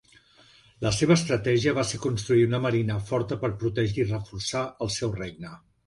La seva estratègia va ser construir una marina forta per protegir i reforçar el seu regne.